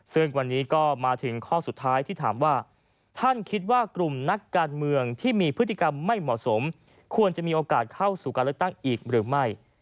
ซึ่งวันนี้ก็มาถึงข้อสุดท้ายที่ถามว่าท่านคิดว่ากลุ่มนักการเมืองที่มีพฤติกรรมไม่เหมาะสมควรจะมีโอกาสเข้าสู่การเลือกตั้งอีกหรือไม่